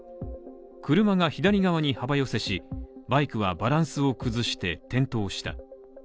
車が左側に幅寄せし、バイクはバランスを崩して転倒した。